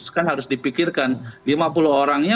kan harus dipikirkan lima puluh orangnya